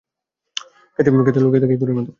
ক্ষেতে লুকিয়ে থাকা ইঁদুরের মতো!